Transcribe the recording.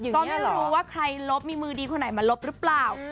ก็ไม่รู้ว่าใครลบมีมือดีคนไหนมาลบหรือเปล่า